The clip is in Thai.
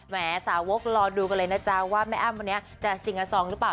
สาวกรอดูกันเลยนะจ๊ะว่าแม่อ้ำวันนี้จะซิงอาซองหรือเปล่า